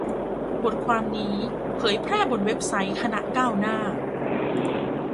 บทความนี้เผยแพร่บนเว็บไซต์คณะก้าวหน้า